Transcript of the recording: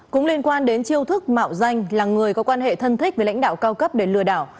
cũng liên quan đến chiêu thức mạo danh là người có quan hệ thân thích với lãnh đạo cao cấp để lừa đảo